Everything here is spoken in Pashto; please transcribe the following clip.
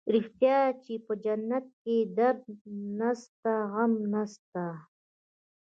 رښتيا چې په جنت کښې درد نسته غم نسته.